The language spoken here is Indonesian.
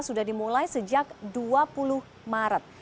sudah dimulai sejak dua puluh maret